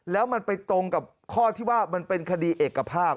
แล้วมันไปตรงกับข้อที่ว่ามันเป็นคดีเอกภาพ